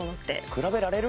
比べられる？